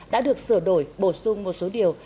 đã được sửa đổi bổ sung một số điều